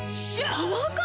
パワーカーブ⁉